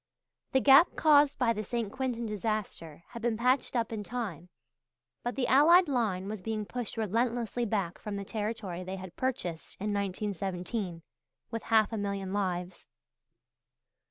The gap caused by the St. Quentin disaster had been patched up in time, but the Allied line was being pushed relentlessly back from the territory they had purchased in 1917 with half a million lives.